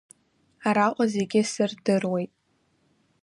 Араҟа зегьы сырдыруеит.